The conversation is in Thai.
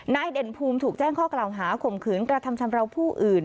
เด่นภูมิถูกแจ้งข้อกล่าวหาข่มขืนกระทำชำราวผู้อื่น